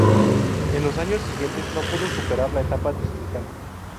En los años siguientes no pudo superar la etapa distrital.